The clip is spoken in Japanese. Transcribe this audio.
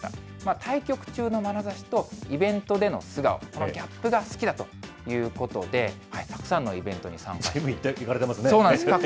対局中のまなざしとイベントでの素顔、このギャップが好きだということで、たくさんのイベントにずいぶん行かれてますね。